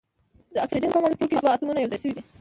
د اکسیجن په مالیکول کې دوه اتومونه یو ځای شوي دي.